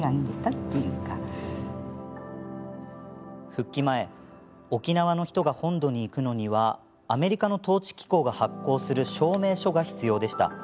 復帰前、沖縄の人が本土に行くのにはアメリカの統治機構が発効する証明書が必要でした。